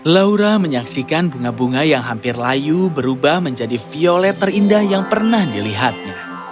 laura menyaksikan bunga bunga yang hampir layu berubah menjadi violet terindah yang pernah dilihatnya